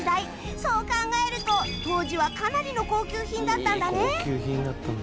そう考えると当時はかなりの高級品だったんだね